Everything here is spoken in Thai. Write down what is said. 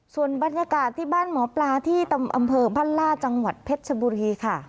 ส่วนบรรยากาศที่บ้านหมอปลาที่อำเภอบ้านล่าจังหวัดเพชรชบุรีค่ะ